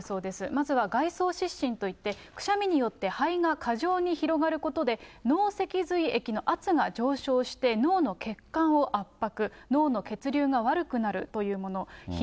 まずは、がいそう失神といって、くしゃみによって、肺が過剰に広がることで、脳脊髄液の圧が上昇して、脳の血管を圧迫。